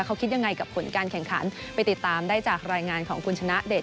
เขาคิดยังไงกับผลการแข่งขันไปติดตามได้จากรายงานของคุณชนะเดช